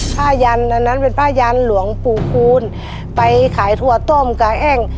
ยันอันนั้นเป็นผ้ายันหลวงปู่คูณไปขายถั่วต้มกาแอ้ง